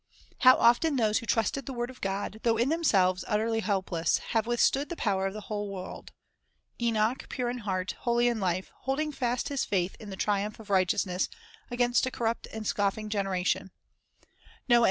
How often those who trusted the word of God, though in themselves utterly helpless, have withstood the power of the whole world, — Enoch, pure in heart, holy in life, holding fast his faith in the triumph of righteousness against a corrupt and scoffing genera tion ; Noah and